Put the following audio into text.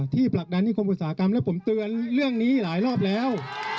ที่ปรักดันที่ควบคุมการศึกษากรรมแล้วผมเตือนเรื่องนี้หลายรอบแล้ว